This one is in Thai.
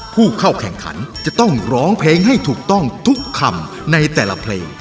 ผู้เข้าแข่งขันจะต้องร้องเพลงให้ถูกต้องทุกคำในแต่ละเพลง